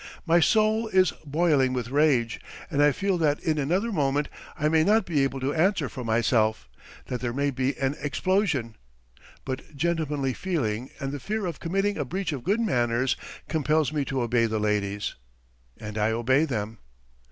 My soul is boiling with rage, and I feel that in another moment I may not be able to answer for myself, that there may be an explosion, but gentlemanly feeling and the fear of committing a breach of good manners compels me to obey the ladies. And I obey them.